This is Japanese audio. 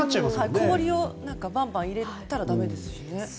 氷をバンバン入れたらだめですしね。